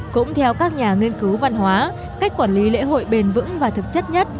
cũng theo các nhà nghiên cứu văn hóa cách quản lý lễ hội bền vững và thực chất nhất